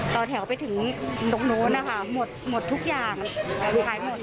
ต่อแถวไปถึงตรงนู้นนะคะหมดหมดทุกอย่างขายหมด